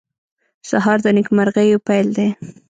سهار د نیکمرغیو پېل دی.